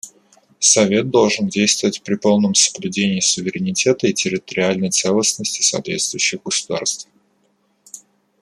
Совет должен действовать при полном соблюдении суверенитета и территориальной целостности соответствующих государств.